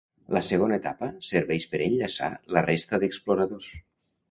La segona etapa serveix per enllaçar la resta d'exploradors.